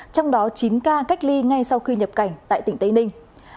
trong đó chín ca cách ly ngay sau khi nhập cảnh tại tỉnh tây ninh